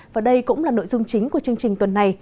và đây cũng là nội dung chính của chương trình tuần này